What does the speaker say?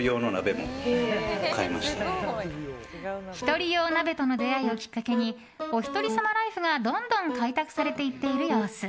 １人用鍋との出会いをきっかけにお一人様ライフが、どんどん開拓されていっている様子。